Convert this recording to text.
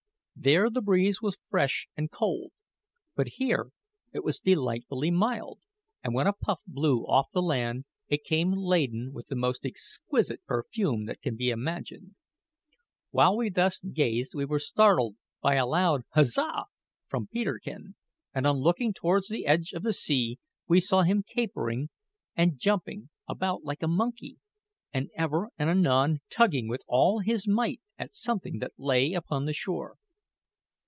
There the breeze was fresh and cold; but here it was delightfully mild, and when a puff blew off the land it came laden with the most exquisite perfume that can be imagined. While we thus gazed we were startled by a loud "Huzza!" from Peterkin, and on looking towards the edge of the sea we saw him capering and jumping about like a monkey, and ever and anon tugging with all his might at something that lay upon the shore.